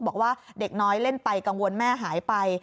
บอกว่าเด็กน้อยเล่นไปกังวลแม่หายไป